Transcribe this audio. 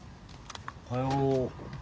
おはよう。